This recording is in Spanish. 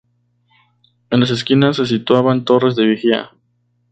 En las esquinas se situaban torres de vigía.